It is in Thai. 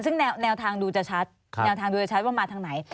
ซึ่งแนวทางดูจะชัดว่ามาทางไหน